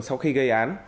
sau khi gây án